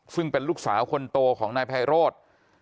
ซึ่งเป็นลูกสาวคนโตของนายไพโรธ